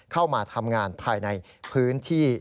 เข้ามาทำงานภายในพื้นที่